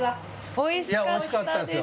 おいしかったです。